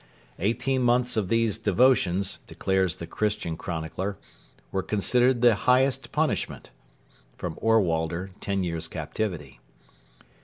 Eighteen months of these devotions, declares the Christian chronicler, were considered 'the highest punishment.' [Ohrwalder, TEN YEARS' CAPTIVITY.